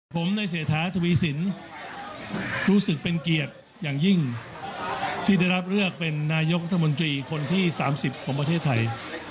ผมในเศรษฐาทวีสินรู้สึกเป็นเกียรติอย่างยิ่งที่ได้รับเลือกเป็นนายกรัฐมนตรีคนที่๓๐ของประเทศไทย